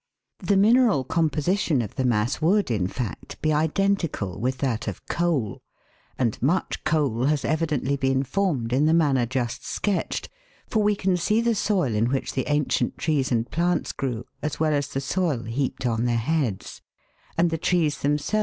The mineral composition of the mass would, in fact, be identical with that of coal ; and much coal has evidently been formed in the manner just sketched, for we can see the soil in which the ancient trees and plants grew, as well as the soil heaped on their heads ; and the trees themselves Fig.